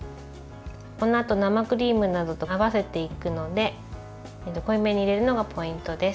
このあと、生クリームなどと合わせていくので濃いめにいれるのがポイントです。